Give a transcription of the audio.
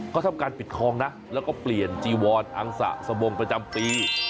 เขาทำการปิดคลองนะแล้วก็เปลี่ยนจีวรอังสะบงประจำปี